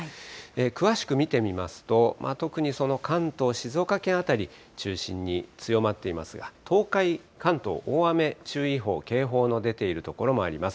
詳しく見てみますと、特にその関東、静岡県辺り中心に、強まっていますが、東海、関東、大雨注意報、警報の出ている所もあります。